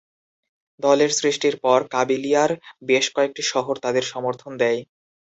দলের সৃষ্টির পর, কাবিলিয়ার বেশ কয়েকটি শহর তাদের সমর্থন দেয়।